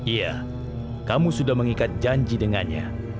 iya kamu sudah mengikat janji dengannya